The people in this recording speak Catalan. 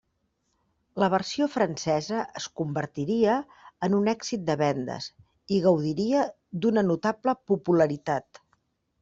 La versió francesa es convertiria en un èxit de vendes, i gaudiria d'una notable popularitat.